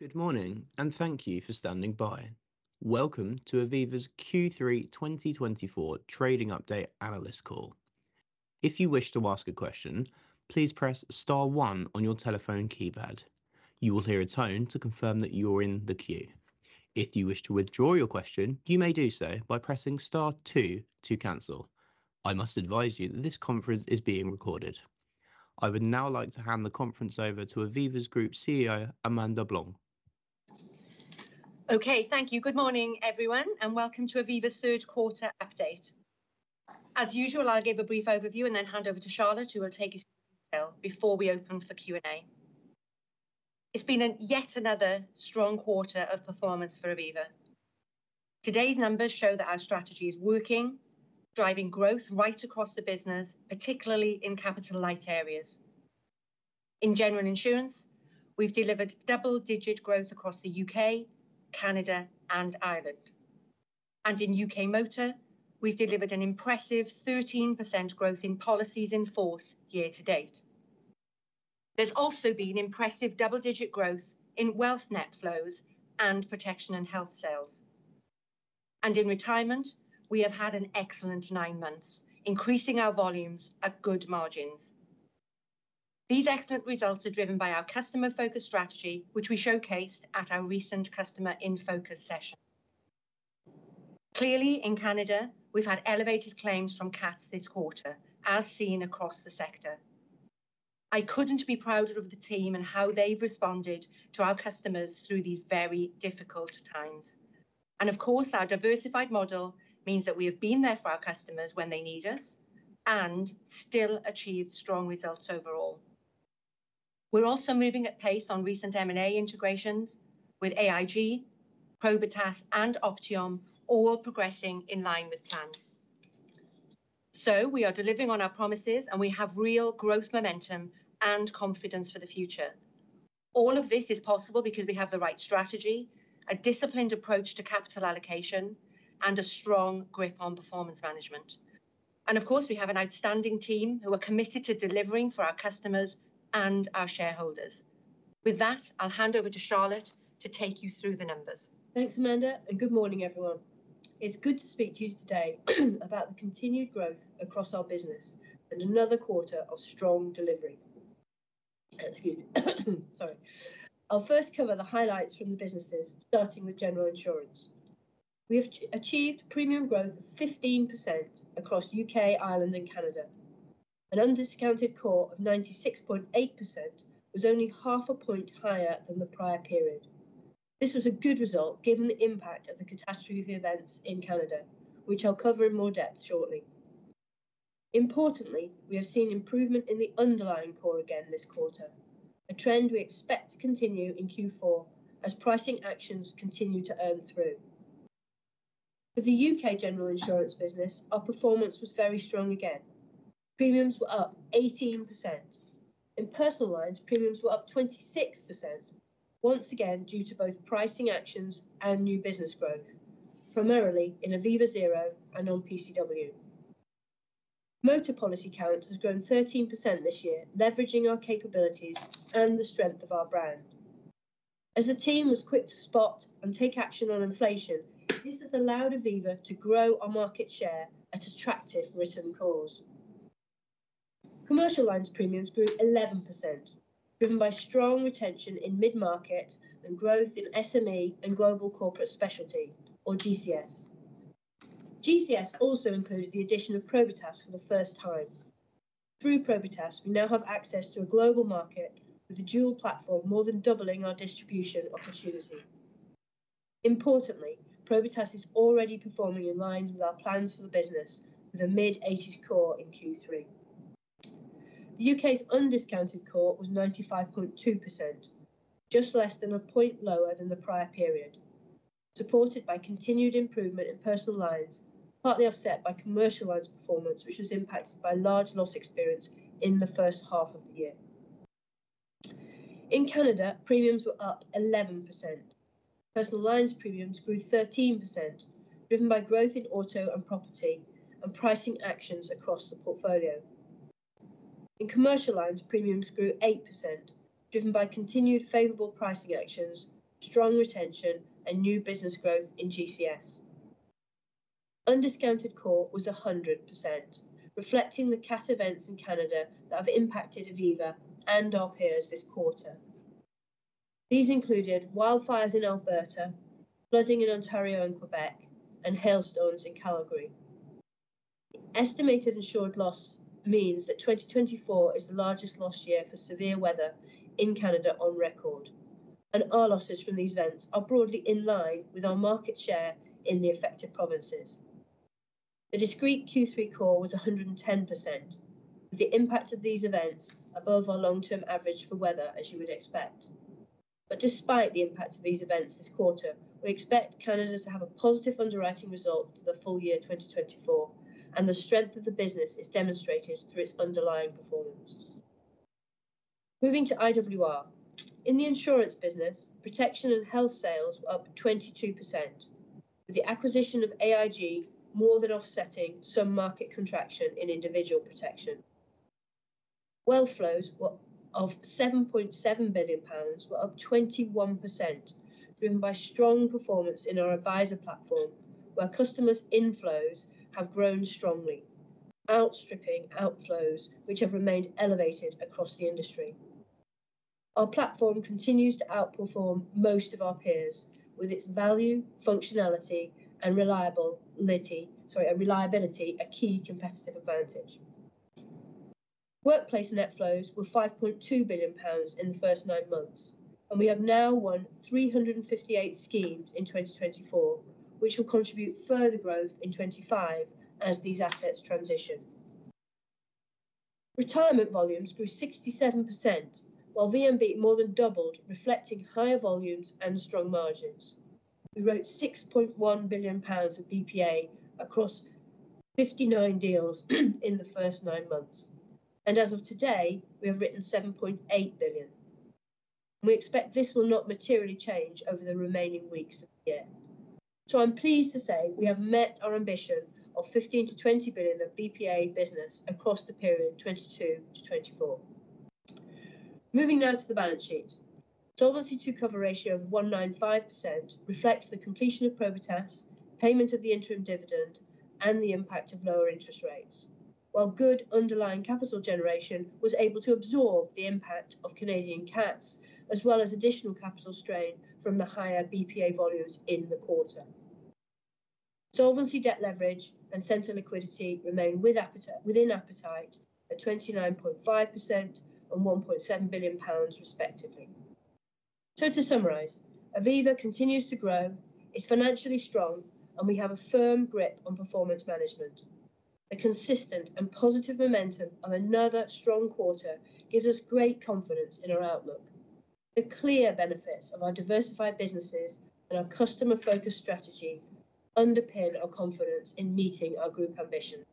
Good morning, and thank you for standing by. Welcome to Aviva's Q3 2024 Trading Update Analyst Call. If you wish to ask a question, please press star one on your telephone keypad. You will hear a tone to confirm that you're in the queue. If you wish to withdraw your question, you may do so by pressing star two to cancel. I must advise you that this conference is being recorded. I would now like to hand the conference over to Aviva's Group CEO, Amanda Blanc. Okay, thank you. Good morning, everyone, and welcome to Aviva's third quarter update. As usual, I'll give a brief overview and then hand over to Charlotte, who will take us through the details before we open for Q&A. It's been yet another strong quarter of performance for Aviva. Today's numbers show that our strategy is working, driving growth right across the business, particularly in capital-light areas. In General Insurance, we've delivered double-digit growth across the UK, Canada, and Ireland. And in UK Motor, we've delivered an impressive 13% growth in policies in force year-to-date. There's also been impressive double-digit growth in Wealth net flows and Protection and Health sales. And in Retirement, we have had an excellent nine months, increasing our volumes at good margins. These excellent results are driven by our customer-focused strategy, which we showcased at our recent customer-in-focus session. Clearly, in Canada, we've had elevated claims from CATs this quarter, as seen across the sector. I couldn't be prouder of the team and how they've responded to our customers through these very difficult times. And of course, our diversified model means that we have been there for our customers when they need us and still achieved strong results overall. We're also moving at pace on recent M&A integrations with AIG, Probitas, and Optiom, all progressing in line with plans. So we are delivering on our promises, and we have real growth momentum and confidence for the future. All of this is possible because we have the right strategy, a disciplined approach to capital allocation, and a strong grip on performance management. And of course, we have an outstanding team who are committed to delivering for our customers and our shareholders. With that, I'll hand over to Charlotte to take you through the numbers. Thanks, Amanda, and good morning, everyone. It's good to speak to you today about the continued growth across our business and another quarter of strong delivery. Excuse me. Sorry. I'll first cover the highlights from the businesses, starting with General Insurance. We have achieved premium growth of 15% across UK, Ireland, and Canada. An undiscounted COR of 96.8% was only half a point higher than the prior period. This was a good result given the impact of the Catastrophe events in Canada, which I'll cover in more depth shortly. Importantly, we have seen improvement in the underlying COR again this quarter, a trend we expect to continue in Q4 as pricing actions continue to earn through. For the UK General Insurance business, our performance was very strong again. Premiums were up 18%. In personal lines, premiums were up 26%, once again due to both pricing actions and new business growth, primarily in Aviva Zero and on PCW. Motor policy count has grown 13% this year, leveraging our capabilities and the strength of our brand. As the team was quick to spot and take action on inflation, this has allowed Aviva to grow our market share at attractive written CORs. Commercial lines premiums grew 11%, driven by strong retention in mid-market and growth in SME and global corporate specialty, or GCS. GCS also included the addition of Probitas for the first time. Through Probitas, we now have access to a global market with a dual platform, more than doubling our distribution opportunity. Importantly, Probitas is already performing in lines with our plans for the business, with a mid-80s COR in Q3. The U.K.'s undiscounted COR was 95.2%, just less than a point lower than the prior period, supported by continued improvement in personal lines, partly offset by commercial lines performance, which was impacted by large loss experience in the first half of the year. In Canada, premiums were up 11%. Personal lines premiums grew 13%, driven by growth in auto and property and pricing actions across the portfolio. In commercial lines, premiums grew 8%, driven by continued favorable pricing actions, strong retention, and new business growth in GCS. Undiscounted COR was 100%, reflecting the CAT events in Canada that have impacted Aviva and our peers this quarter. These included wildfires in Alberta, flooding in Ontario and Quebec, and hailstones in Calgary. Estimated insured loss means that 2024 is the largest loss year for severe weather in Canada on record, and our losses from these events are broadly in line with our market share in the affected provinces. The discrete Q3 COR was 110%, with the impact of these events above our long-term average for weather, as you would expect. But despite the impact of these events this quarter, we expect Canada to have a positive underwriting result for the full year 2024, and the strength of the business is demonstrated through its underlying performance. Moving to IWR, in the Insurance business, Protection and Health sales were up 22%, with the acquisition of AIG more than offsetting some market contraction in individual protection. Wealth flows of 7.7 billion pounds were up 21%, driven by strong performance in our Adviser platform, where customers' inflows have grown strongly, outstripping outflows, which have remained elevated across the industry. Our platform continues to outperform most of our peers, with its value, functionality, and reliability a key competitive advantage. Workplace net flows were 5.2 billion pounds in the first nine months, and we have now won 358 schemes in 2024, which will contribute further growth in 2025 as these assets transition. Retirement volumes grew 67%, while VNB more than doubled, reflecting higher volumes and strong margins. We wrote 6.1 billion pounds of BPA across 59 deals in the first nine months, and as of today, we have written 7.8 billion. We expect this will not materially change over the remaining weeks of the year. I'm pleased to say we have met our ambition of 15 billion-20 billion of BPA business across the period 2022 to 2024. Moving now to the balance sheet. Solvency II cover ratio of 195% reflects the completion of Probitas, payment of the interim dividend, and the impact of lower interest rates, while good underlying capital generation was able to absorb the impact of Canadian CATs, as well as additional capital strain from the higher BPA volumes in the quarter. Solvency debt leverage and central liquidity remain within appetite at 29.5% and 1.7 billion pounds, respectively. To summarize, Aviva continues to grow, is financially strong, and we have a firm grip on performance management. The consistent and positive momentum of another strong quarter gives us great confidence in our outlook. The clear benefits of our diversified businesses and our customer-focused strategy underpin our confidence in meeting our group ambition,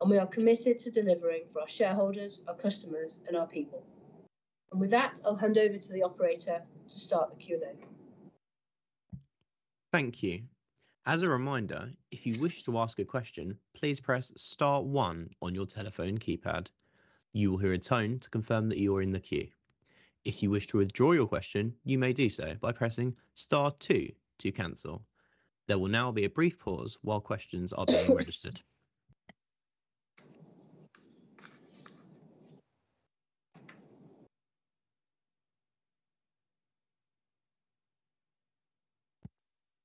and we are committed to delivering for our shareholders, our customers, and our people, and with that, I'll hand over to the operator to start the Q&A. Thank you. As a reminder, if you wish to ask a question, please press star one on your telephone keypad. You will hear a tone to confirm that you are in the queue. If you wish to withdraw your question, you may do so by pressing star two to cancel. There will now be a brief pause while questions are being registered.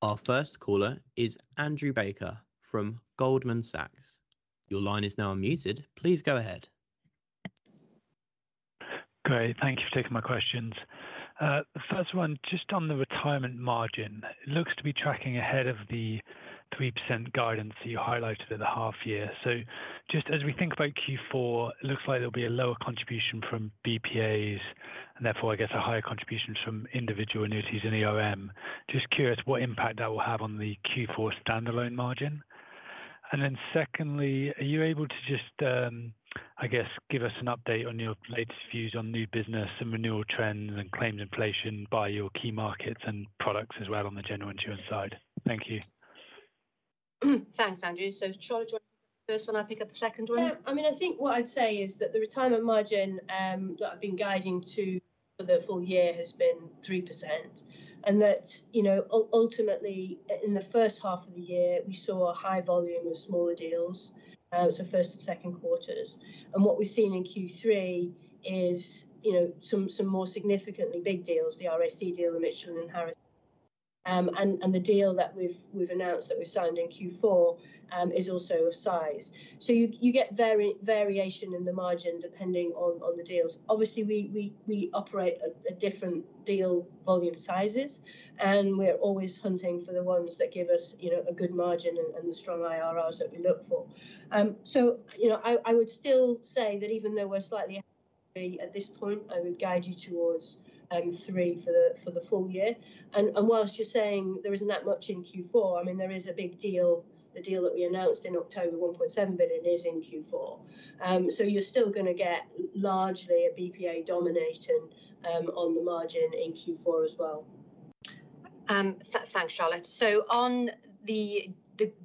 Our first caller is Andrew Baker from Goldman Sachs. Your line is now unmuted. Please go ahead. Great. Thank you for taking my questions. The first one, just on the Retirement margin, it looks to be tracking ahead of the 3% guidance that you highlighted in the half year. So just as we think about Q4, it looks like there'll be a lower contribution from BPAs, and therefore, I guess, a higher contribution from individual annuities and ERM. Just curious what impact that will have on the Q4 standalone margin. And then secondly, are you able to just, I guess, give us an update on your latest views on new business and renewal trends and claims inflation by your key markets and products as well on the General Insurance side? Thank you. Thanks, Andrew. So Charlotte joining the first one, I'll pick up the second one. Yeah. I mean, I think what I'd say is that the retirement margin that I've been guiding to for the full year has been 3%, and that ultimately, in the first half of the year, we saw a high volume of smaller deals, so first and second quarters. And what we've seen in Q3 is some more significantly big deals, the RSC deal and Michelin, and the deal that we've announced that we've signed in Q4 is also of size. So you get variation in the margin depending on the deals. Obviously, we operate at different deal volume sizes, and we're always hunting for the ones that give us a good margin and the strong IRRs that we look for. So I would still say that even though we're slightly ahead of the year at this point, I would guide you towards three for the full year. And whilst you're saying there isn't that much in Q4, I mean, there is a big deal, the deal that we announced in October, 1.7 billion, is in Q4. So you're still going to get largely a BPA domination on the margin in Q4 as well. Thanks, Charlotte, so on the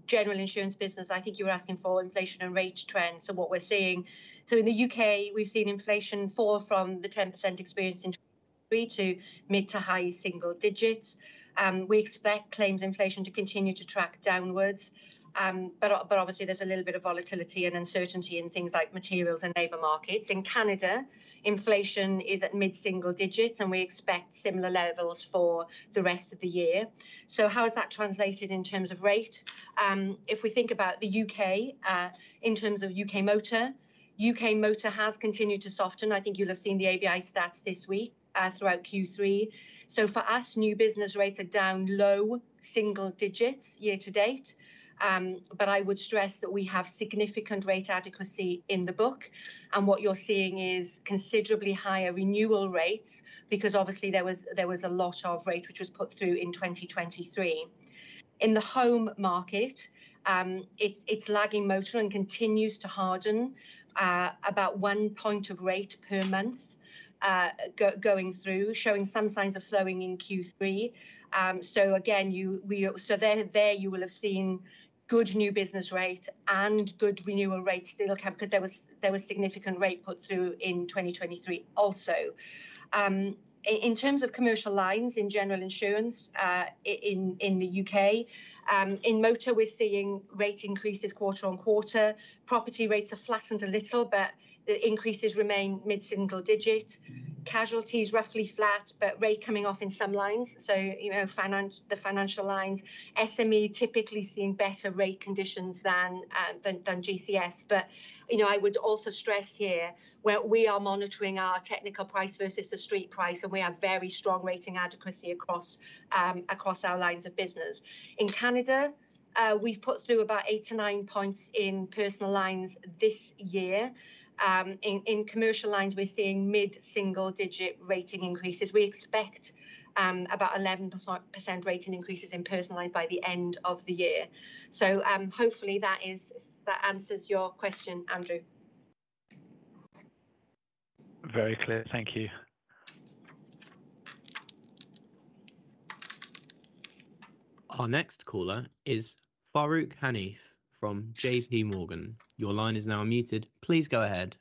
General Insurance business, I think you were asking for inflation and rate trends. So what we're seeing, so in the UK, we've seen inflation fall from the 10% experience in Q3 to mid to high single digits. We expect claims inflation to continue to track downwards, but obviously, there's a little bit of volatility and uncertainty in things like materials and labor markets. In Canada, inflation is at mid-single digits, and we expect similar levels for the rest of the year, so how is that translated in terms of rate? If we think about the UK, in terms of UK Motor, UK Motor has continued to soften. I think you'll have seen the ABI stats this week throughout Q3. So for us, new business rates are down low single digits year to date, but I would stress that we have significant rate adequacy in the book, and what you're seeing is considerably higher renewal rates because obviously, there was a lot of rate which was put through in 2023. In the home market, it's lagging motor and continues to harden about one point of rate per month going through, showing some signs of slowing in Q3. So again, so there you will have seen good new business rate and good renewal rates still come because there was significant rate put through in 2023 also. In terms of commercial lines in General Insurance in the UK, in motor, we're seeing rate increases quarter on quarter. Property rates have flattened a little, but the increases remain mid-single digit. Casualties roughly flat, but rate coming off in some lines, so the financial lines. SME typically seeing better rate conditions than GCS, but I would also stress here where we are monitoring our technical price versus the street price, and we have very strong rating adequacy across our lines of business. In Canada, we've put through about eight to nine points in personal lines this year. In commercial lines, we're seeing mid-single digit rating increases. We expect about 11% rating increases in personal lines by the end of the year. So hopefully, that answers your question, Andrew. Very clear. Thank you. Our next caller is Farooq Hanif from JPMorgan. Your line is now unmuted. Please go ahead.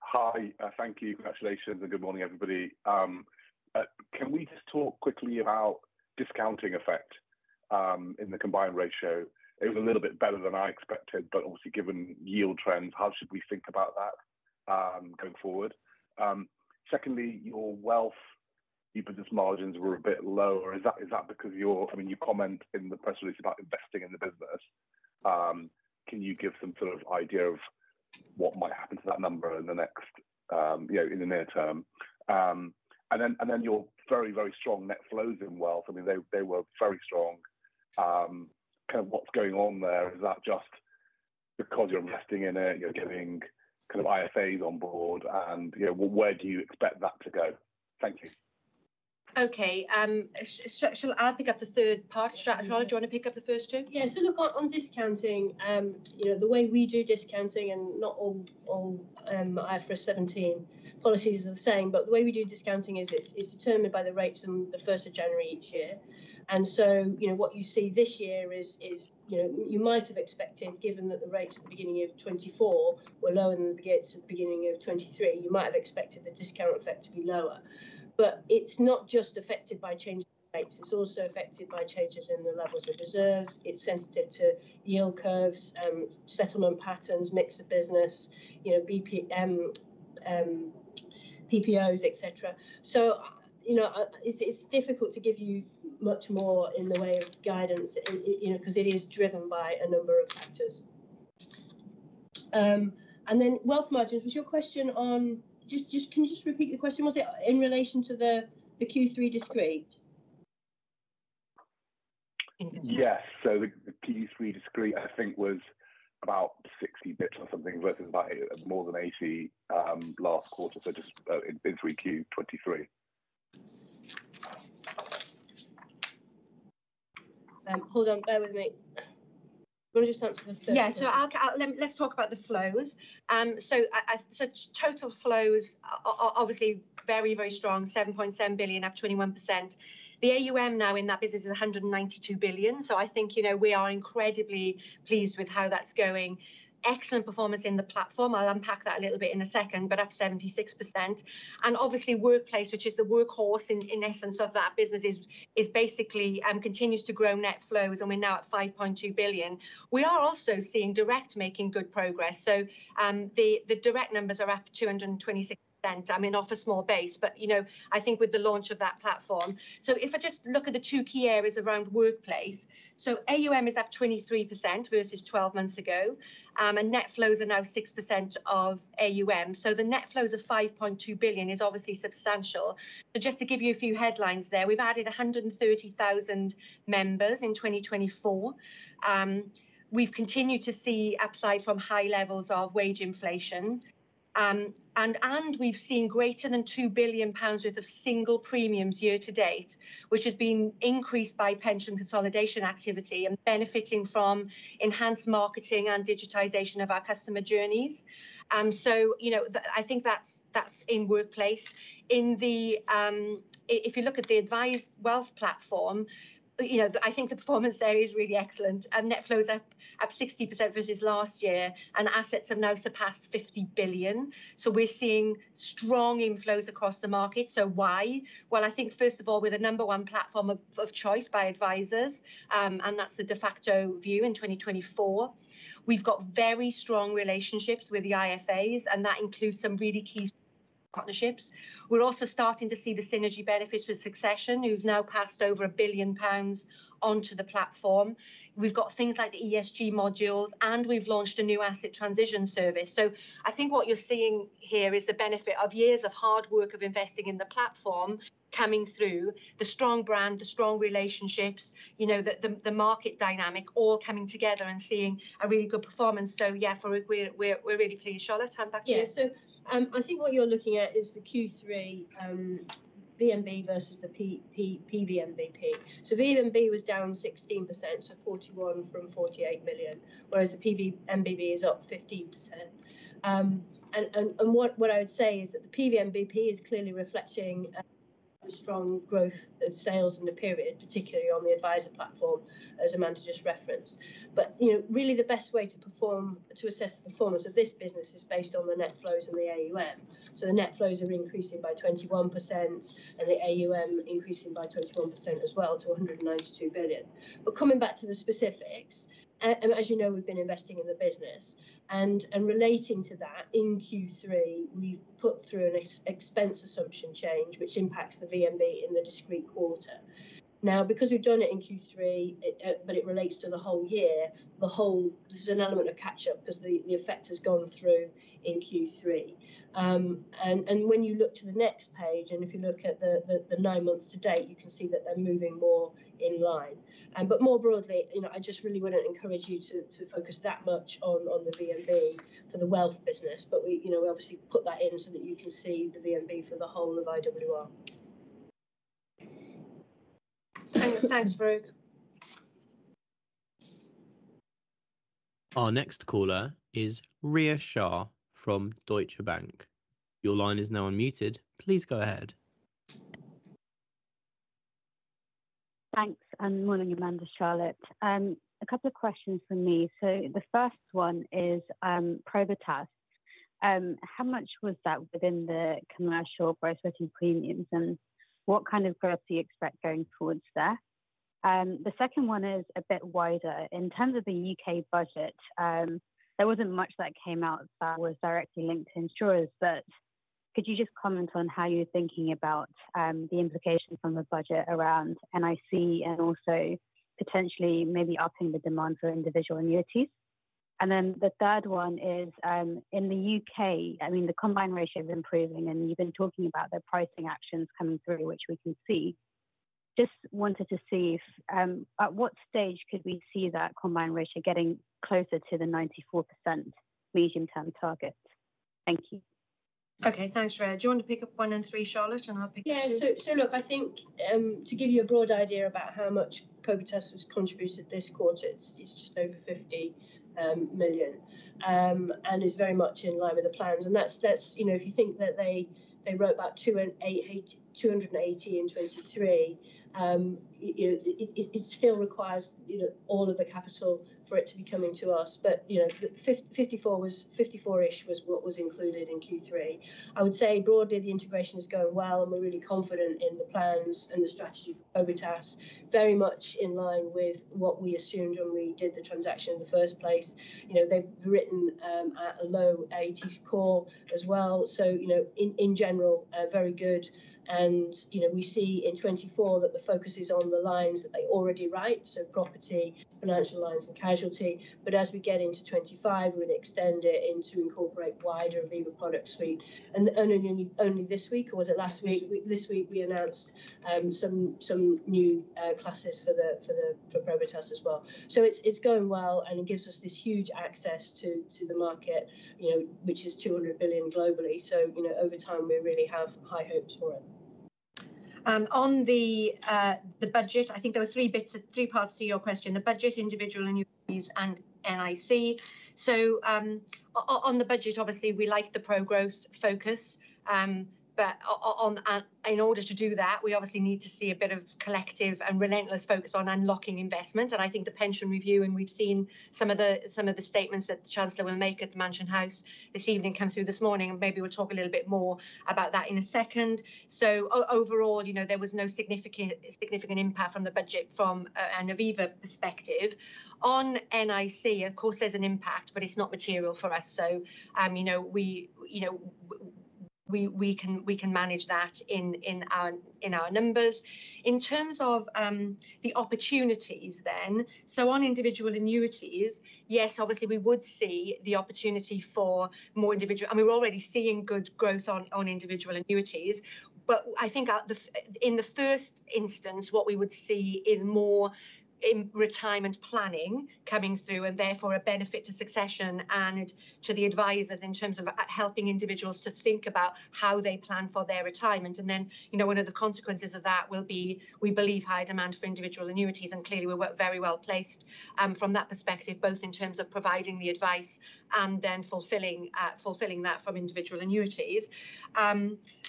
Hi. Thank you. Congratulations and good morning, everybody. Can we just talk quickly about discounting effect in the combined ratio? It was a little bit better than I expected, but obviously, given yield trends, how should we think about that going forward? Secondly, your Wealth, your business margins were a bit lower. Is that because of your, I mean, you comment in the press release about investing in the business. Can you give some sort of idea of what might happen to that number in the next, in the near-term? And then your very, very strong net flows in Wealth. I mean, they were very strong. Kind of what's going on there? Is that just because you're investing in it, you're getting kind of IFAs on board, and where do you expect that to go? Thank you. Okay. Shall I pick up the third part? Charlotte, do you want to pick up the first two? Yeah. So look, on discounting, the way we do discounting, and not all IFRS 17 policies are the same, but the way we do discounting is determined by the rates on the 1st of January each year. And so what you see this year is you might have expected, given that the rates at the beginning of 2024 were lower than the rates at the beginning of 2023, you might have expected the discount effect to be lower. But it's not just affected by changing rates. It's also affected by changes in the levels of reserves. It's sensitive to yield curves, settlement patterns, mix of business, PPOs, etc. So it's difficult to give you much more in the way of guidance because it is driven by a number of factors. And then Wealth margins. Was your question on just can you just repeat the question? Was it in relation to the Q3 discrete? Yes. So the Q3 discrete, I think, was about 60 basis points or something versus more than 80 last quarter, so just in Q23. Hold on. Bear with me. I'm going to just answer the first. Yeah. So let's talk about the flows. So total flows are obviously very, very strong, 7.7 billion, up 21%. The AUM now in that business is 192 billion. So I think we are incredibly pleased with how that's going. Excellent performance in the platform. I'll unpack that a little bit in a second, but up 76%. And obviously, workplace, which is the workhorse in essence of that business, is basically continues to grow net flows, and we're now at 5.2 billion. We are also seeing direct making good progress. So the direct numbers are up 226%. I mean, off a small base, but I think with the launch of that platform. So if I just look at the two key areas around workplace, so AUM is up 23% versus 12 months ago, and net flows are now 6% of AUM. So the net flows of 5.2 billion is obviously substantial. So just to give you a few headlines there, we've added 130,000 members in 2024. We've continued to see, outside from high levels of wage inflation, and we've seen greater than 2 billion pounds worth of single premiums year to date, which has been increased by pension consolidation activity and benefiting from enhanced marketing and digitization of our customer journeys. So I think that's in workplace. If you look at the Adviser Wealth platform, I think the performance there is really excellent. Net flows are up 60% versus last year, and assets have now surpassed 50 billion. So we're seeing strong inflows across the market. So why? Well, I think, first of all, we're the number one platform of choice by advisors, and that's the de facto view in 2024. We've got very strong relationships with the IFAs, and that includes some really key partnerships. We're also starting to see the synergy benefits with Succession, who's now passed over 1 billion pounds onto the platform. We've got things like the ESG modules, and we've launched a new asset transition service. So I think what you're seeing here is the benefit of years of hard work of investing in the platform coming through, the strong brand, the strong relationships, the market dynamic all coming together and seeing a really good performance. So yeah, we're really pleased. Charlotte, hand back to you. Yeah. So I think what you're looking at is the Q3 VNB versus the PVNBP. So VNB was down 16%, so 41 million from 48 million, whereas the PVNBP is up 15%. And what I would say is that the PVNBP is clearly reflecting the strong growth of sales in the period, particularly on the Adviser platform, as Amanda just referenced. But really, the best way to assess the performance of this business is based on the net flows and the AUM. So the net flows are increasing by 21%, and the AUM increasing by 21% as well to 192 billion. But coming back to the specifics, and as you know, we've been investing in the business. And relating to that, in Q3, we've put through an expense assumption change, which impacts the VNB in the discrete quarter. Now, because we've done it in Q3, but it relates to the whole year, this is an element of Catch-up because the effect has gone through in Q3. And when you look to the next page, and if you look at the nine months to date, you can see that they're moving more in line. But more broadly, I just really wouldn't encourage you to focus that much on the VNB for the Wealth business, but we obviously put that in so that you can see the VNB for the whole of IWR. Thanks, Farooq. Our next caller is Rhea Shah from Deutsche Bank. Your line is now unmuted. Please go ahead. Thanks. And morning, Amanda, Charlotte. A couple of questions for me. So the first one is Probitas. How much was that within the commercial gross rating premiums, and what kind of growth do you expect going forwards there? The second one is a bit wider. In terms of the UK budget, there wasn't much that came out that was directly linked to insurers, but could you just comment on how you're thinking about the implications from the budget around NIC and also potentially maybe upping the demand for individual annuities? And then the third one is in the UK, I mean, the combined ratio is improving, and you've been talking about the pricing actions coming through, which we can see. Just wanted to see at what stage could we see that combined ratio getting closer to the 94% medium-term target? Thank you. Okay. Thanks, Rhea. Do you want to pick up one in three, Charlotte, and I'll pick up two? Yeah. So look, I think to give you a broad idea about how much Probitas has contributed this quarter, it's just over 50 million, and it's very much in line with the plans. And if you think that they wrote about 280 million in 2023, it still requires all of the capital for it to be coming to us, but 54 million-ish was what was included in Q3. I would say broadly, the integration is going well, and we're really confident in the plans and the strategy for Probitas, very much in line with what we assumed when we did the transaction in the first place. They've written at a low 80s COR as well. So in general, very good. And we see in 2024 that the focus is on the lines that they already write, so property, financial lines, and casualty. But as we get into 2025, we would extend it into incorporate wider lever products suite. And only this week, or was it last week? This week, we announced some new classes for Probitas as well. So it's going well, and it gives us this huge access to the market, which is 200 billion globally. So over time, we really have high hopes for it. On the budget, I think there were three parts to your question: the budget, individual annuities, and NIC. So on the budget, obviously, we like the pro-growth focus, but in order to do that, we obviously need to see a bit of collective and relentless focus on unlocking investment. And I think the pension review, and we've seen some of the statements that the Chancellor will make at the Mansion House this evening come through this morning, and maybe we'll talk a little bit more about that in a second. So overall, there was no significant impact from the budget from an Aviva perspective. On NIC, of course, there's an impact, but it's not material for us. So we can manage that in our numbers. In terms of the opportunities then, so on individual annuities, yes, obviously, we would see the opportunity for more individual. I mean, we're already seeing good growth on individual annuities, but I think in the first instance, what we would see is more retirement planning coming through, and therefore, a benefit to Succession and to the advisors in terms of helping individuals to think about how they plan for their retirement, and then one of the consequences of that will be, we believe, high demand for individual annuities, and clearly, we're very well placed from that perspective, both in terms of providing the advice and then fulfilling that from individual annuities.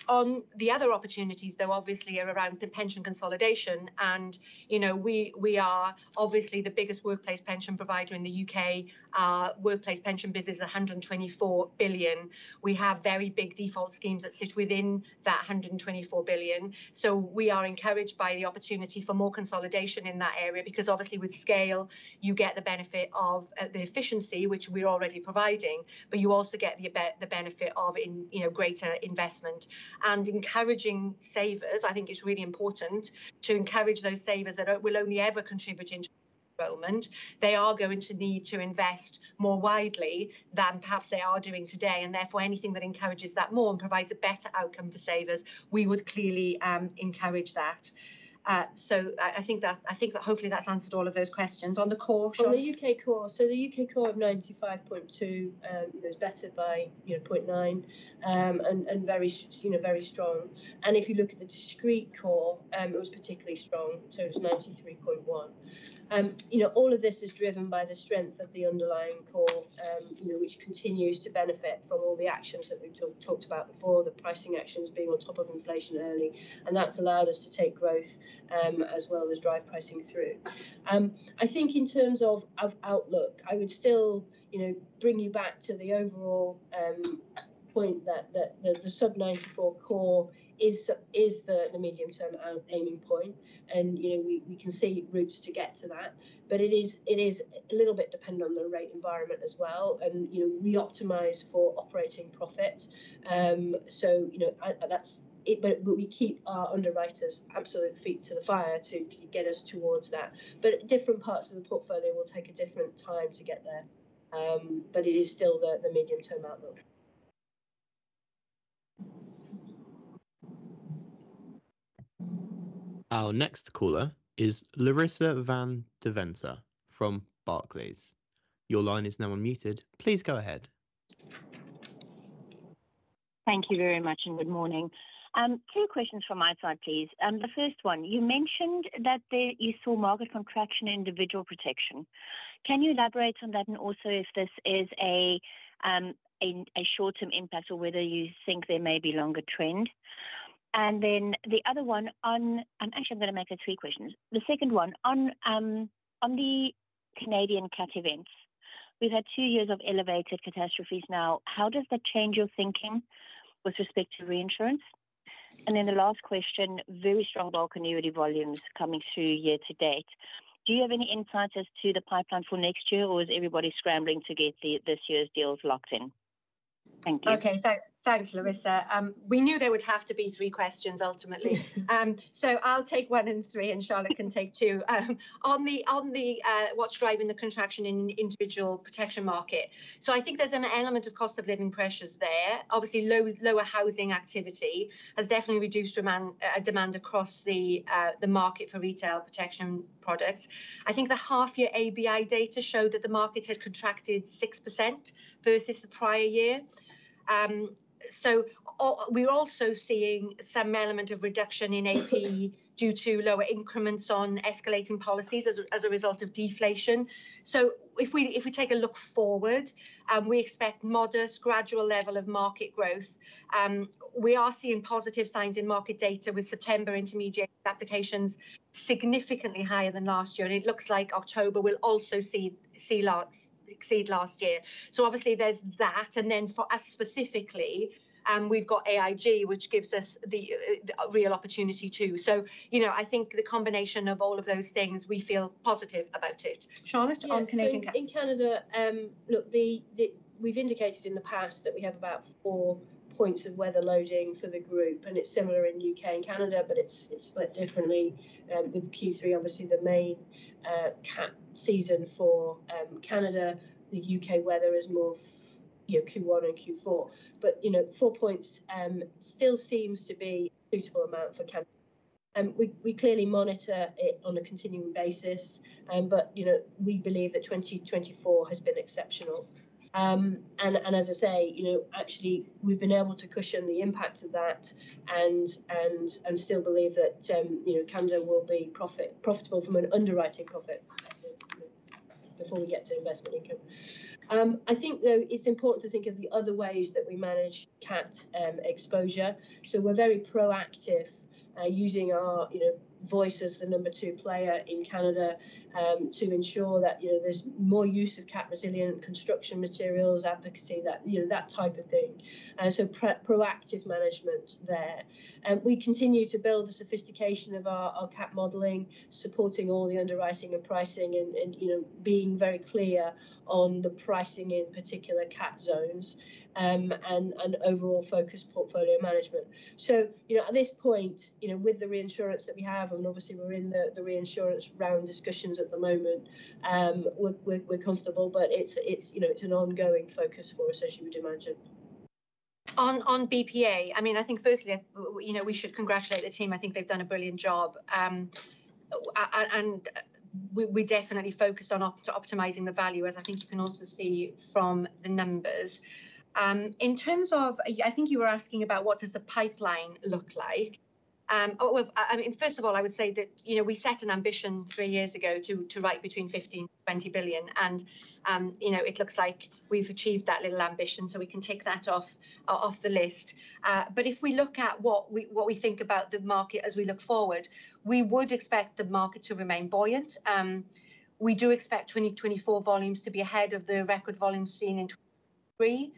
On the other opportunities, though, obviously, are around the pension consolidation, and we are obviously the biggest workplace pension provider in the UK. Our workplace pension business is 124 billion. We have very big default schemes that sit within that 124 billion. So we are encouraged by the opportunity for more consolidation in that area because, obviously, with scale, you get the benefit of the efficiency, which we're already providing, but you also get the benefit of greater investment. And encouraging savers, I think it's really important to encourage those savers that will only ever contribute into enrollment. They are going to need to invest more widely than perhaps they are doing today. And therefore, anything that encourages that more and provides a better outcome for savers, we would clearly encourage that. So I think that hopefully, that's answered all of those questions. On the COR, Charlotte? On the U.K. COR, so the U.K. COR of 95.2% is better by 0.9% and very strong, and if you look at the discrete COR, it was particularly strong, so it was 93.1%. All of this is driven by the strength of the underlying COR, which continues to benefit from all the actions that we've talked about before, the pricing actions being on top of inflation early, and that's allowed us to take growth as well as drive pricing through. I think in terms of outlook, I would still bring you back to the overall point that the sub-94% COR is the medium-term aiming point, and we can see routes to get to that, but it is a little bit dependent on the rate environment as well, and we optimize for operating profit, so we keep our underwriters' absolute feet to the fire to get us towards that. But different parts of the portfolio will take a different time to get there, but it is still the medium-term outlook. Our next caller is Larissa van Deventer from Barclays. Your line is now unmuted. Please go ahead. Thank you very much, and good morning. Two questions from my side, please. The first one, you mentioned that you saw market contraction in individual protection. Can you elaborate on that, and also if this is a short-term impact or whether you think there may be a longer trend? And then the other one, actually, I'm going to make it three questions. The second one, on the Canadian CAT events, we've had two years of elevated CATastrophes now. How does that change your thinking with respect to reinsurance? And then the last question, very strong bulk annuity volumes coming through year to date. Do you have any insights as to the pipeline for next year, or is everybody scrambling to get this year's deals locked in? Thank you. Okay. Thanks, Larissa. We knew there would have to be three questions ultimately. So I'll take one and three, and Charlotte can take two. On what's driving the contraction in the individual protection market, so I think there's an element of cost of living pressures there. Obviously, lower housing activity has definitely reduced demand across the market for retail protection products. I think the half-year ABI data showed that the market had contracted 6% versus the prior year. So we're also seeing some element of reduction in AP due to lower increments on escalating policies as a result of deflation. So if we take a look forward, we expect modest, gradual level of market growth. We are seeing positive signs in market data with September intermediary applications significantly higher than last year, and it looks like October will also see it exceed last year. So obviously, there's that. And then for us specifically, we've got AIG, which gives us the real opportunity too. So I think the combination of all of those things, we feel positive about it. Charlotte, on Canadian CA? In Canada, look, we've indicated in the past that we have about four points of weather loading for the group, and it's similar in U.K. and Canada, but it's split differently. With Q3, obviously, the main CAT season for Canada, the U.K. weather is more Q1 and Q4. But four points still seems to be a suitable amount for Canada. We clearly monitor it on a continuing basis, but we believe that 2024 has been exceptional. And as I say, actually, we've been able to cushion the impact of that and still believe that Canada will be profitable from an underwriting profit before we get to investment income. I think, though, it's important to think of the other ways that we manage CAT exposure. So we're very proactive using our voice as the number two player in Canada to ensure that there's more use of CAT-resilient construction materials, advocacy, that type of thing. So proactive management there. We continue to build the sophistication of our CAT modeling, supporting all the underwriting and pricing and being very clear on the pricing in particular CAT zones and overall focus portfolio management. So at this point, with the reinsurance that we have, and obviously, we're in the reinsurance round discussions at the moment, we're comfortable, but it's an ongoing focus for us, as you would imagine. On BPA, I mean, I think firstly, we should congratulate the team. I think they've done a brilliant job, and we're definitely focused on optimizing the value, as I think you can also see from the numbers. In terms of, I think you were asking about what does the pipeline look like. I mean, first of all, I would say that we set an ambition three years ago to write between 15 billion and 20 billion, and it looks like we've achieved that little ambition, so we can take that off the list. But if we look at what we think about the market as we look forward, we would expect the market to remain buoyant. We do expect 2024 volumes to be ahead of the record volumes seen in 2023.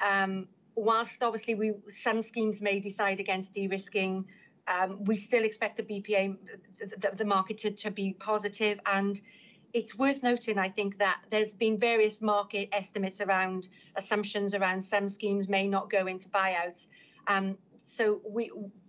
While, obviously, some schemes may decide against de-risking, we still expect the market to be positive. And it's worth noting, I think, that there's been various market estimates around assumptions around some schemes may not go into buyouts.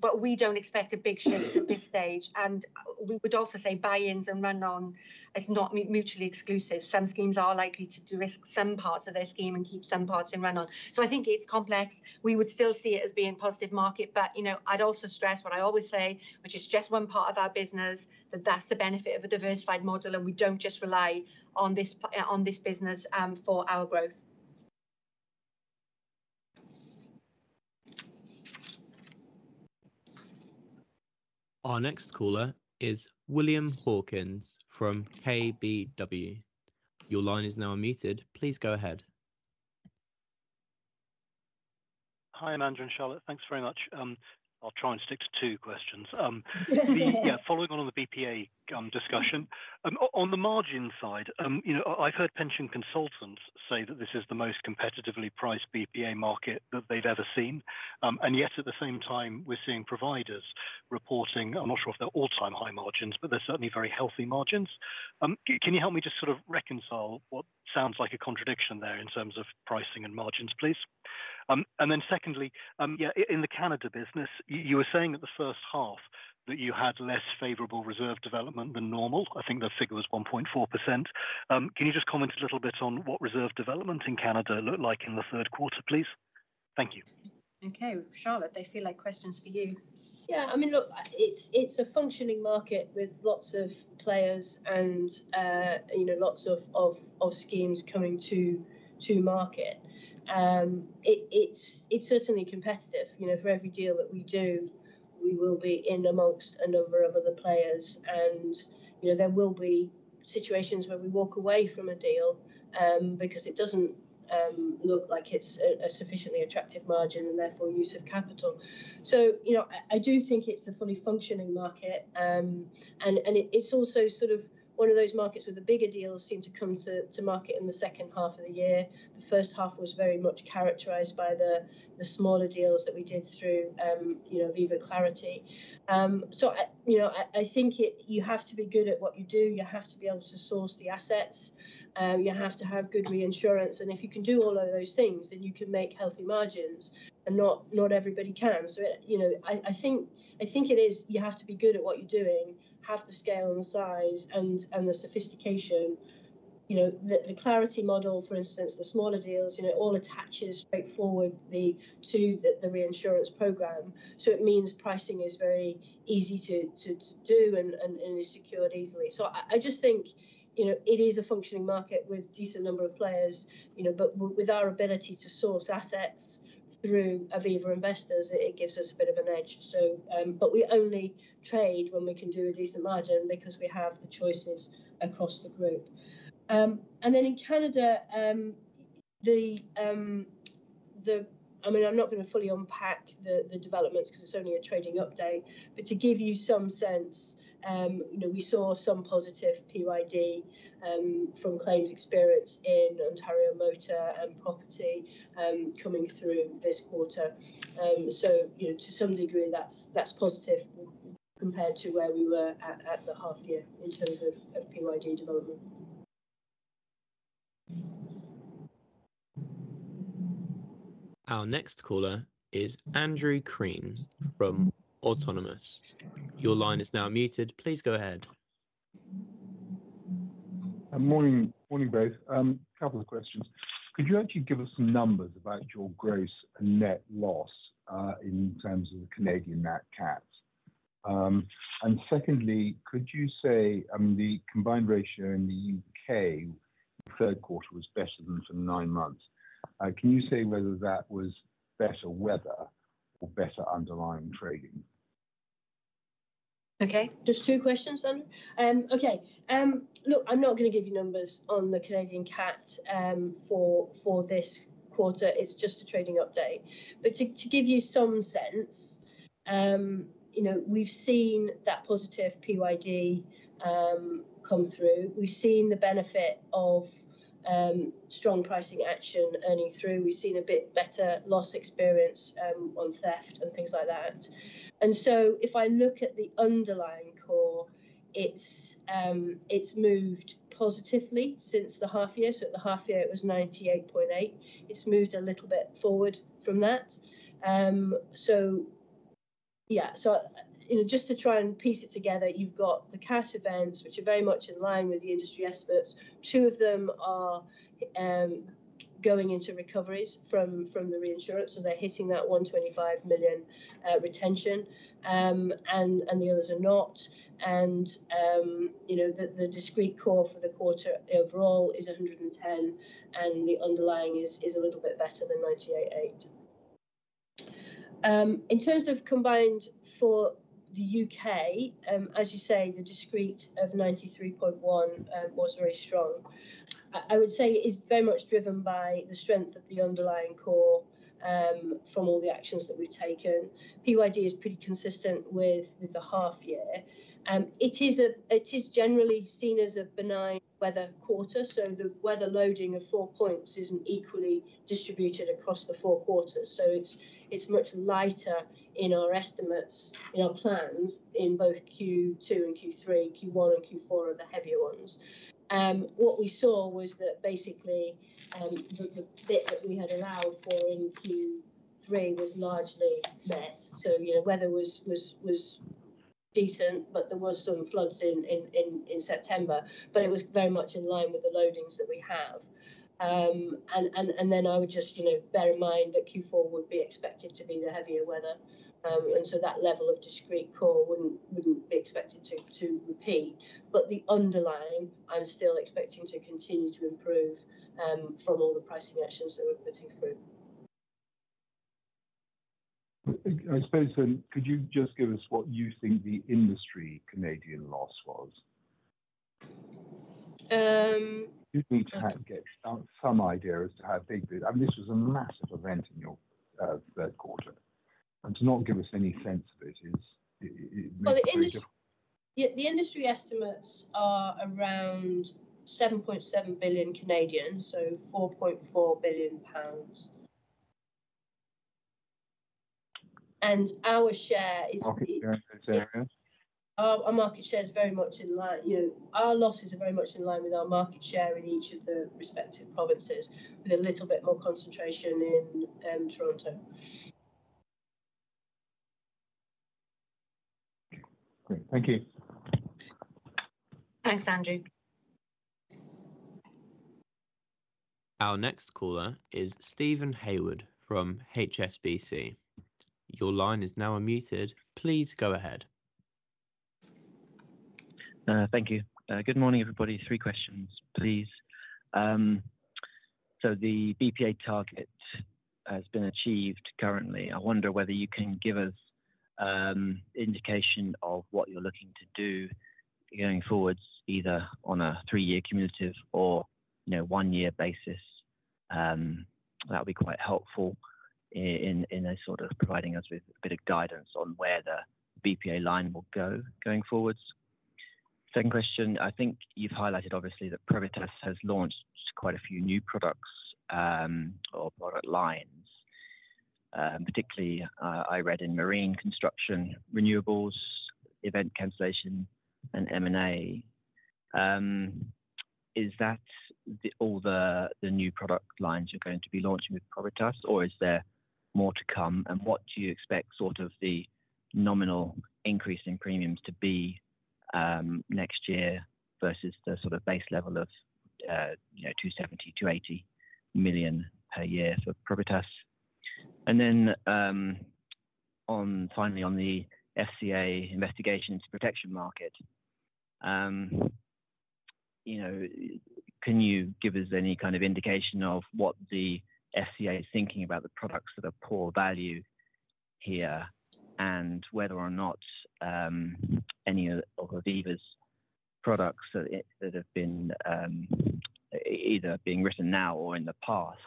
But we don't expect a big shift at this stage. And we would also say buy-ins and run-ons is not mutually exclusive. Some schemes are likely to de-risk some parts of their scheme and keep some parts in run-on. So I think it's complex. We would still see it as being a positive market, but I'd also stress what I always say, which is just one part of our business, that that's the benefit of a diversified model, and we don't just rely on this business for our growth. Our next caller is William Hawkins from KBW. Your line is now unmuted. Please go ahead. Hi, Amanda and Charlotte. Thanks very much. I'll try and stick to two questions. Following on the BPA discussion, on the margin side, I've heard pension consultants say that this is the most competitively priced BPA market that they've ever seen. And yet, at the same time, we're seeing providers reporting. I'm not sure if they're all-time high margins, but they're certainly very healthy margins. Can you help me just sort of reconcile what sounds like a contradiction there in terms of pricing and margins, please? And then secondly, in the Canada business, you were saying in the first half that you had less favorable reserve development than normal. I think the figure was 1.4%. Can you just comment a little bit on what reserve development in Canada looked like in the third quarter, please? Thank you. Okay. Charlotte, they feel like questions for you. Yeah. I mean, look, it's a functioning market with lots of players and lots of schemes coming to market. It's certainly competitive. For every deal that we do, we will be in amongst a number of other players, and there will be situations where we walk away from a deal because it doesn't look like it's a sufficiently attractive margin and therefore use of capital. So I do think it's a fully functioning market, and it's also sort of one of those markets where the bigger deals seem to come to market in the second half of the year. The first half was very much characterized by the smaller deals that we did through Aviva Clarity. So I think you have to be good at what you do. You have to be able to source the assets. You have to have good reinsurance. If you can do all of those things, then you can make healthy margins, and not everybody can. So I think it is you have to be good at what you're doing, have the scale and size and the sophistiCATion. The Clarity model, for instance, the smaller deals, all attaches straightforwardly to the reinsurance program. So it means pricing is very easy to do and is secured easily. So I just think it is a functioning market with a decent number of players, but with our ability to source assets through Aviva Investors, it gives us a bit of an edge. But we only trade when we can do a decent margin because we have the choices across the group. And then in Canada, I mean, I'm not going to fully unpack the developments because it's only a trading update, but to give you some sense, we saw some positive PYD from claims experience in Ontario motor and property coming through this quarter. So to some degree, that's positive compared to where we were at the half-year in terms of PYD development. Our next caller is Andrew Crean from Autonomous. Your line is now muted. Please go ahead. Morning, both. A couple of questions. Could you actually give us some numbers about your gross net loss in terms of the Canadian CAT? And secondly, could you say the combined ratio in the UK third quarter was better than for nine months? Can you say whether that was better weather or better underlying trading? Okay. Just two questions, then. Okay. Look, I'm not going to give you numbers on the Canadian CAT for this quarter. It's just a trading update. But to give you some sense, we've seen that positive PYD come through. We've seen the benefit of strong pricing action earning through. We've seen a bit better loss experience on theft and things like that. And so if I look at the underlying COR, it's moved positively since the half-year. So at the half-year, it was 98.8%. It's moved a little bit forward from that. So yeah. So just to try and piece it together, you've got the CAT events, which are very much in line with the industry estimates. Two of them are going into recoveries from the reinsurance, so they're hitting that 125 million retention, and the others are not. The discrete COR for the quarter overall is 110, and the underlying is a little bit better than 98.8. In terms of combined for the UK, as you say, the discrete of 93.1 was very strong. I would say it is very much driven by the strength of the underlying COR from all the actions that we've taken. PYD is pretty consistent with the half-year. It is generally seen as a benign weather quarter, so the weather loading of four points isn't equally distributed across the four quarters. It's much lighter in our estimates, in our plans, in both Q2 and Q3. Q1 and Q4 are the heavier ones. What we saw was that basically the bit that we had allowed for in Q3 was largely met. So weather was decent, but there were some floods in September, but it was very much in line with the loadings that we have. And then I would just bear in mind that Q4 would be expected to be the heavier weather, and so that level of discrete COR wouldn't be expected to repeat. But the underlying, I'm still expecting to continue to improve from all the pricing actions that we're putting through. I suppose then, could you just give us what you think the industry Canadian loss was? You need to get some idea as to how big the-I mean, this was a massive event in your third quarter. And to not give us any sense of it is- The industry estimates are around 7.7 billion, so 4.4 billion pounds. Our share is. Market share in those areas? Our market share is very much in line, our losses are very much in line with our market share in each of the respective provinces, with a little bit more concentration in Toronto. Great. Thank you. Thanks, Andrew. Our next caller is Steven Haywood from HSBC. Your line is now unmuted. Please go ahead. Thank you. Good morning, everybody. Three questions, please. The BPA target has been achieved currently. I wonder whether you can give us an indication of what you're looking to do going forward, either on a three-year cumulative or one-year basis. That would be quite helpful in sort of providing us with a bit of guidance on where the BPA line will go going forward. Second question, I think you've highlighted, obviously, that Probitas has launched quite a few new products or product lines. Particularly, I read in marine construction, renewables, event cancellation, and M&A. Is that all the new product lines you're going to be launching with Probitas, or is there more to come? And what do you expect sort of the nominal increase in premiums to be next year versus the sort of base level of £270-280 million per year for Probitas? And then finally, on the FCA investigation into Protection market, can you give us any kind of indication of what the FCA is thinking about the products that are poor value here and whether or not any of Aviva's products that have been either being written now or in the past,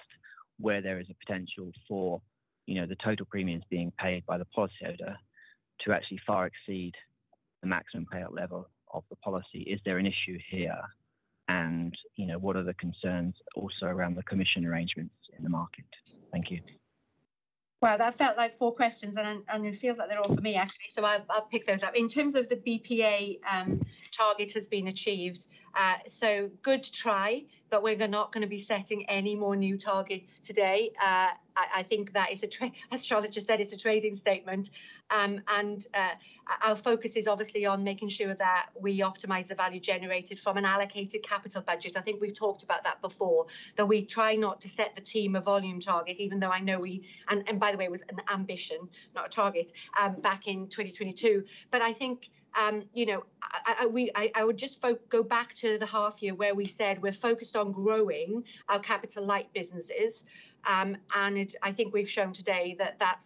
where there is a potential for the total premiums being paid by the policyholder to actually far exceed the maximum payout level of the policy? Is there an issue here? And what are the concerns also around the commission arrangements in the market? Thank you. Wow, that felt like four questions, and it feels like they're all for me, actually, so I'll pick those up. In terms of the BPA target has been achieved. So good try, but we're not going to be setting any more new targets today. I think that is a, as Charlotte just said, it's a trading statement. And our focus is obviously on making sure that we optimize the value generated from an alloCATed capital budget. I think we've talked about that before, that we try not to set the team a volume target, even though I know we and by the way, it was an ambition, not a target, back in 2022. But I think I would just go back to the half-year where we said we're focused on growing our capital-light businesses. And I think we've shown today that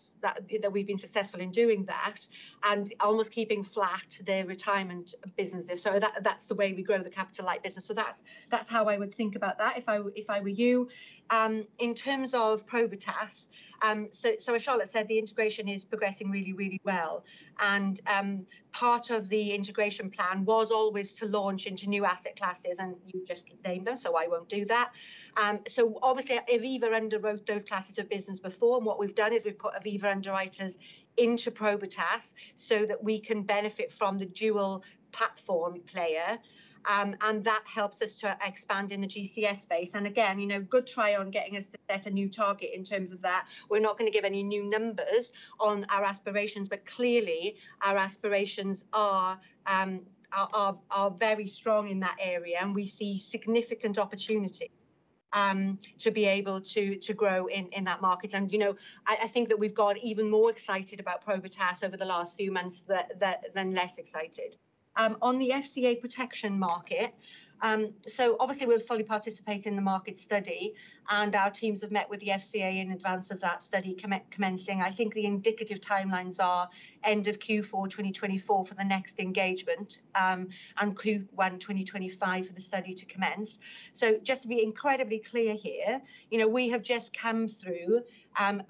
we've been successful in doing that and almost keeping flat the retirement businesses. So that's the way we grow the capital-light business. So that's how I would think about that if I were you. In terms of Probitas, so as Charlotte said, the integration is progressing really, really well. And part of the integration plan was always to launch into new asset classes, and you just named them, so I won't do that. So obviously, Aviva underwrote those classes of business before. And what we've done is we've put Aviva underwriters into Probitas so that we can benefit from the dual platform player. And that helps us to expand in the GCS space. And again, good try on getting us to set a new target in terms of that. We're not going to give any new numbers on our aspirations, but clearly, our aspirations are very strong in that area, and we see significant opportunity to be able to grow in that market, and I think that we've got even more excited about Probitas over the last few months than less excited. On the FCA Protection market, so obviously, we'll fully participate in the market study, and our teams have met with the FCA in advance of that study commencing. I think the indicative timelines are end of Q4 2024 for the next engagement and Q1 2025 for the study to commence, so just to be incredibly clear here, we have just come through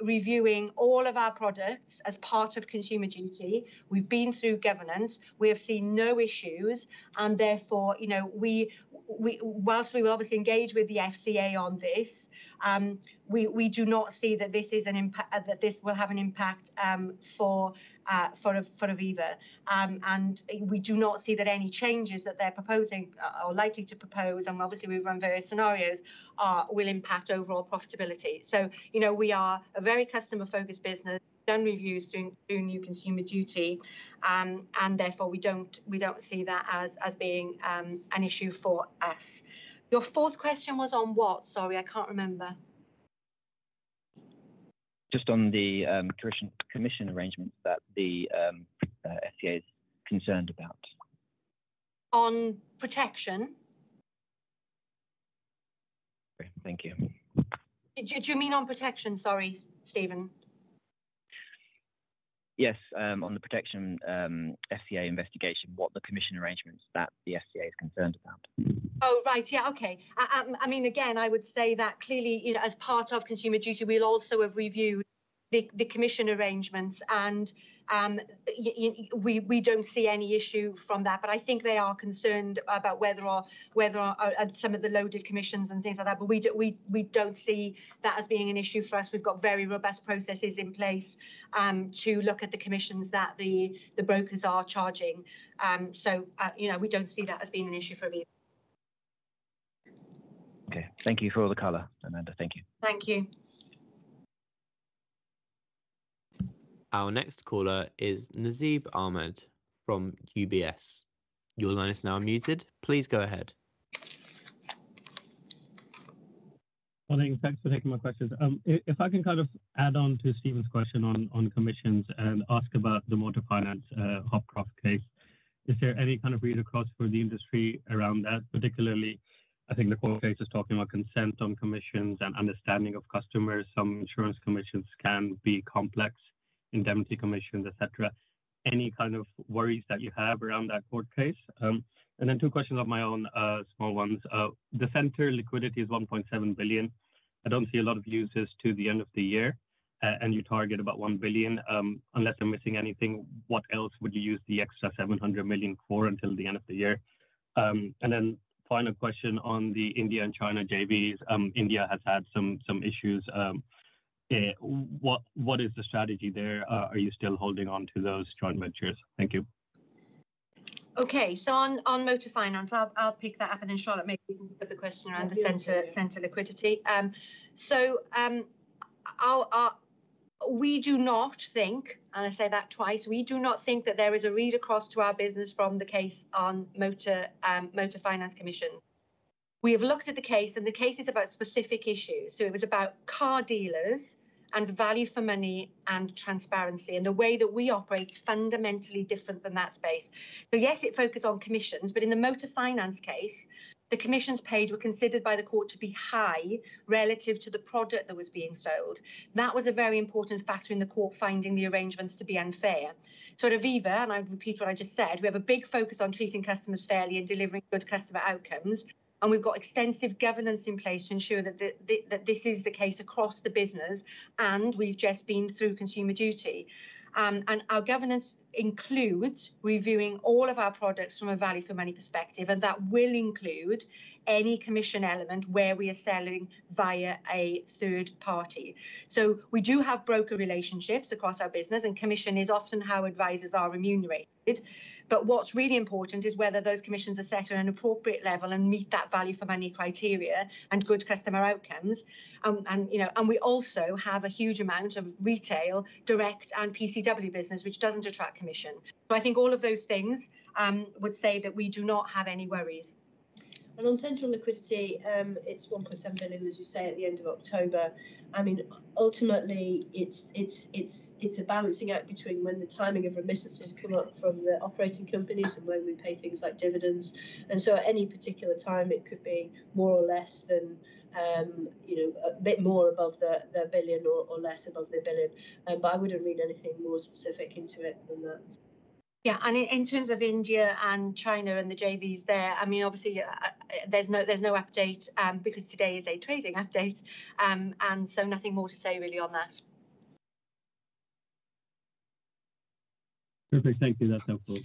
reviewing all of our products as part of Consumer Duty. We've been through governance. We have seen no issues. Therefore, while we will obviously engage with the FCA on this, we do not see that this will have an impact for Aviva. We do not see that any changes that they're proposing or likely to propose, and obviously, we've run various scenarios, will impact overall profitability. We are a very customer-focused business. We've done reviews through new Consumer Duty, and therefore, we don't see that as being an issue for us. Your fourth question was on what? Sorry, I can't remember. Just on the commission arrangements that the FCA is concerned about. On Protection. Thank you. Did you mean on Protection? Sorry, Steven. Yes. On the Protection FCA investigation, what the commission arrangements that the FCA is concerned about? Oh, right. Yeah. Okay. I mean, again, I would say that clearly, as part of Consumer Duty, we'll also have reviewed the commission arrangements, and we don't see any issue from that. But I think they are concerned about whether some of the loaded commissions and things like that. But we don't see that as being an issue for us. We've got very robust processes in place to look at the commissions that the brokers are charging. So we don't see that as being an issue for Aviva. Okay. Thank you for all the color, Amanda. Thank you. Thank you. Our next caller is Nasib Ahmed from UBS. Your line is now unmuted. Please go ahead. Morning. Thanks for taking my questions. If I can kind of add on to Stephen's question on commissions and ask about the motor finance, Hopcraft case, is there any kind of read across for the industry around that? Particularly, I think the court case is talking about consent on commissions and understanding of customers. Some insurance commissions can be complex, indemnity commissions, etc. Any kind of worries that you have around that court case? And then two questions of my own, small ones. The central liquidity is 1.7 billion. I don't see a lot of uses to the end of the year, and you target about 1 billion. Unless I'm missing anything, what else would you use the extra 700 million for until the end of the year? And then final question on the India and China JVs. India has had some issues. What is the strategy there? Are you still holding on to those joint ventures? Thank you. Okay. So on motor finance, I'll pick that up. And then Charlotte, maybe you can put the question around the central liquidity. So we do not think, and I say that twice, we do not think that there is a read across to our business from the case on motor finance commissions. We have looked at the case, and the case is about specific issues. So it was about car dealers and value for money and transparency, and the way that we operate is fundamentally different than that space. So yes, it focused on commissions, but in the motor finance case, the commissions paid were considered by the court to be high relative to the product that was being sold. That was a very important factor in the court finding the arrangements to be unfair. So at Aviva, and I repeat what I just said, we have a big focus on treating customers fairly and delivering good customer outcomes, and we've got extensive governance in place to ensure that this is the case across the business, and we've just been through Consumer Duty. And our governance includes reviewing all of our products from a value for money perspective, and that will include any commission element where we are selling via a third party. So we do have broker relationships across our business, and commission is often how advisors are remunerated. But what's really important is whether those commissions are set at an appropriate level and meet that value for money criteria and good customer outcomes. And we also have a huge amount of retail, direct, and PCW business, which doesn't attract commission. I think all of those things would say that we do not have any worries. On central liquidity, it's 1.7 billion, as you say, at the end of October. I mean, ultimately, it's a balancing act between when the timing of remittances has come up from the operating companies and when we pay things like dividends. So at any particular time, it could be more or less than a bit more above the billion or less above the billion. I wouldn't read anything more specific into it than that. Yeah. And in terms of India and China and the JVs there, I mean, obviously, there's no update because today is a trading update. And so nothing more to say really on that. Perfect. Thank you. That's helpful.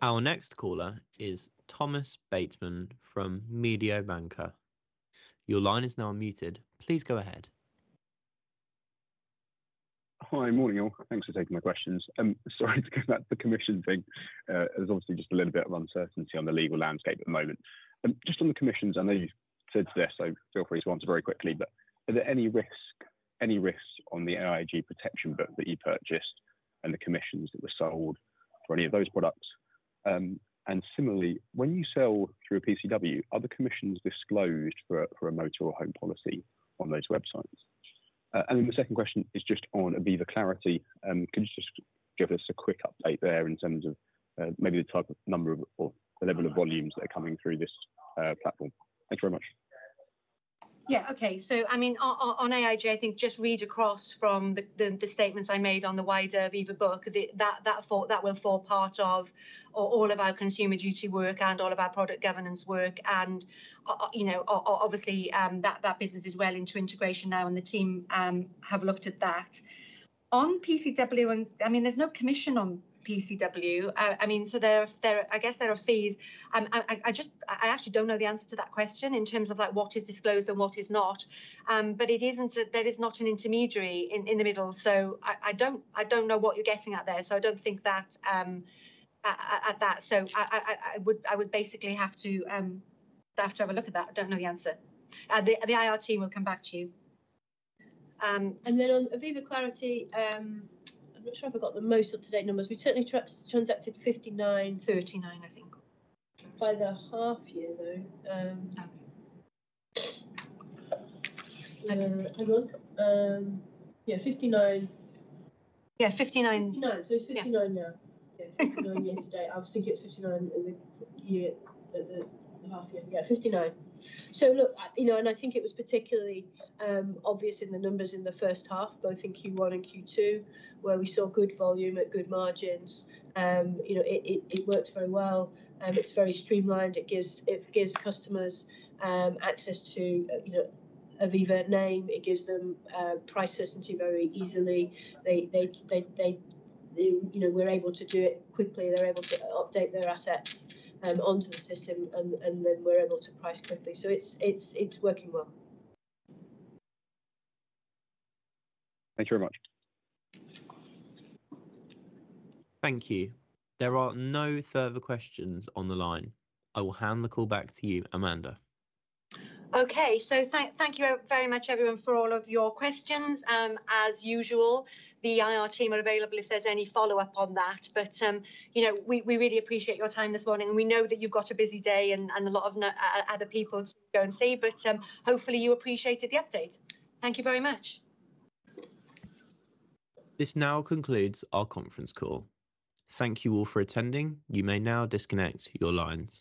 Our next caller is Thomas Bateman from Mediobanca. Your line is now unmuted. Please go ahead. Hi. Morning, all. Thanks for taking my questions. Sorry to go back to the commission thing. There's obviously just a little bit of uncertainty on the legal landscape at the moment. Just on the commissions, I know you said to this, so feel free to answer very quickly, but are there any risks on the AIG Protection book that you purchased and the commissions that were sold for any of those products? And similarly, when you sell through a PCW, are the commissions disclosed for a motor or home policy on those websites? And then the second question is just on Aviva Clarity. Could you just give us a quick update there in terms of maybe the type of number or the level of volumes that are coming through this platform? Thanks very much. Yeah. Okay. So I mean, on AIG, I think just read across from the statements I made on the wider Aviva book that will form part of all of our Consumer Duty work and all of our product governance work. And obviously, that business is well into integration now, and the team have looked at that. On PCW, I mean, there's no commission on PCW. I mean, so I guess there are fees. I actually don't know the answer to that question in terms of what is disclosed and what is not, but there is not an intermediary in the middle. So I don't know what you're getting at there. So I don't think that at that. So I would basically have to have a look at that. I don't know the answer. The IR team will come back to you. And then on Aviva Clarity, I'm not sure I've got the most up-to-date numbers. We certainly transacted 59, 39, I think. By the half-year, though. Hang on. Yeah, 59. Yeah, 59. 59. So it's 59 now. Yeah, 59 year to date. I was thinking it's 59 in the half-year. Yeah, 59. So look, and I think it was particularly obvious in the numbers in the first half, both in Q1 and Q2, where we saw good volume at good margins. It works very well. It's very streamlined. It gives customers access to Aviva name. It gives them price certainty very easily. They were able to do it quickly. They're able to update their assets onto the system, and then we're able to price quickly. So it's working well. Thank you very much. Thank you. There are no further questions on the line. I will hand the call back to you, Amanda. Okay. So thank you very much, everyone, for all of your questions. As usual, the IR team are available if there's any follow-up on that. But we really appreciate your time this morning. And we know that you've got a busy day and a lot of other people to go and see, but hopefully, you appreciated the update. Thank you very much. This now concludes our conference call. Thank you all for attending. You may now disconnect your lines.